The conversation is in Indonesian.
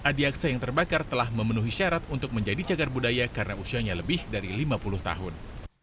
adiaksa yang terbakar telah memenuhi syarat untuk menjadi cagar budaya karena usianya lebih dari lima puluh tahun